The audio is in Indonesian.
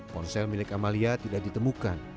ponsel milik amalia tidak ditemukan